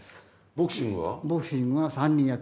ボクシングは？